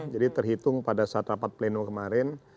jadi terhitung pada saat rapat pleno kemarin